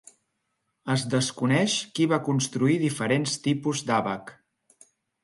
Es desconeix qui va construir diferents tipus d'àbac.